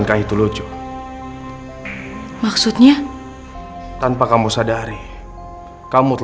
jadi aku termaksud siapapun itu